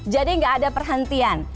jadi nggak ada perhentian